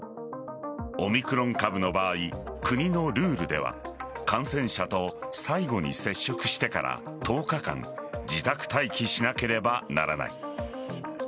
オミクロン株の場合国のルールでは感染者と最後に接触してから１０日間自宅待機しなければならない。